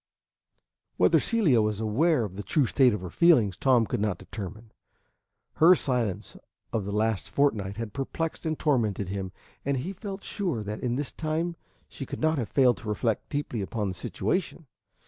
Whether Celia was aware of the true state of her feelings, Tom could not determine. Her silence of the last fortnight had perplexed and tormented him; and he felt sure that in this time she could not have failed to reflect deeply upon the situation.